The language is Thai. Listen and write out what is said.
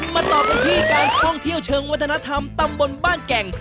มาต่อกันที่การท่องเที่ยวเชิงวัฒนธรรมตำบลบ้านแก่ง